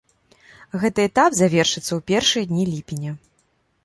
Гэты этап завершыцца ў першыя дні ліпеня.